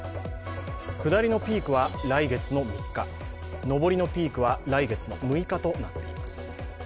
下りのピークは来月の３日上りのピークは来月の６日となっています。